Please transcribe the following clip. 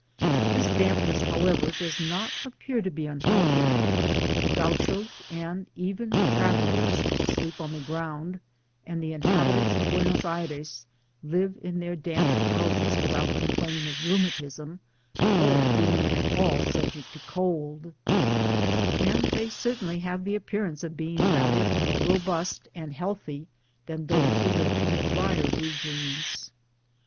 This dampness, however, does not ap pear to, be unhealthy. The Gauchos and even tra vellers sleep on the ground, and the inhabitants of Buenos Aires live in their damp houses without Digitized byGoogk OP T^E PAMPAS. 9 complaining of rheumatism, or being at all 'subject to cold ; and they certainly have the appearance of being rather more robust and healthy than those who live in the drier regions.